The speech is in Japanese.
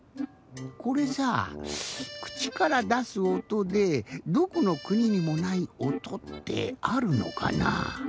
これさぁくちからだすおとでどこのくににもないおとってあるのかなぁ？